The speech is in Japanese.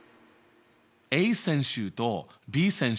Ａ選手とＢ選手